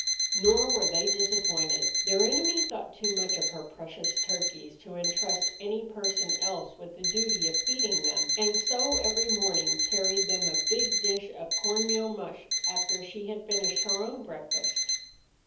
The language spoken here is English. Nor were they disappointed. Their enemy thought too much of her precious turkeys to intrust any person else with the duty of feeding them, and so every morning carried them a big dish of corn meal mush after she had finished her own breakfast.